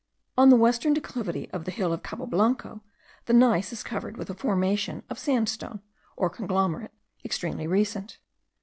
On the western declivity of the hill of Cabo Blanco, the gneiss is covered with a formation of sandstone, or conglomerate, extremely recent.